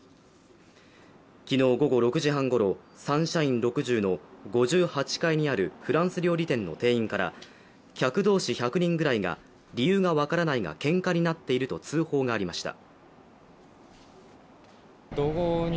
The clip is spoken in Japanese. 昨日午後６時半ごろサンシャイン６０の５８階にあるフランス料理店の店員から客同士１００人ぐらいが理由が分からないがけんかになっていると通報がありました。